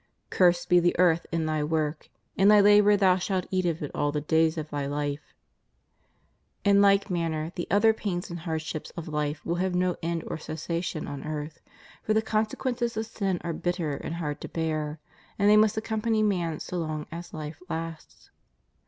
Cursed be the earth in thy work; in thy labor thou shalt eat of it all the days of thy life} In like manner, the other pains and hardships of life will have no end or cessation on earth; for the con sequences of sin are bitter and hard to bear, and they must accompany man so long as life lasts.